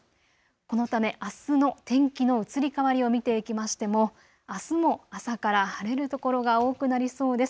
このためあすの天気の移り変わりを見ていきましても、あすも朝から晴れる所が多くなりそうです。